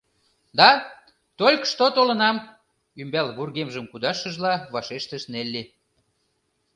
— Да, только что толынам, — ӱмбал вургемжым кудашшыжла, вашештыш Нелли.